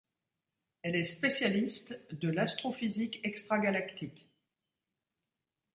Elle est spécialiste de l'astrophysique extragalactique.